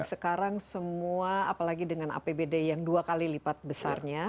sekarang semua apalagi dengan apbd yang dua kali lipat besarnya